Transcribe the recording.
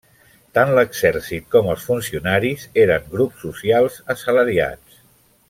Tant l'exèrcit com els funcionaris eren grups socials assalariats.